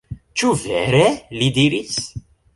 Ĉu vere? li diris.